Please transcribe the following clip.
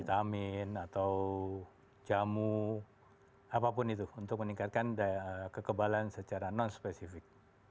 vitamin atau jamu apapun itu untuk meningkatkan kekebalan secara non spesifik